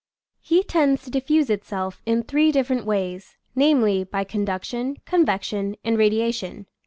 Heat tends to diffuse itself in three different ways, namely, by conduction, convection, and radiation.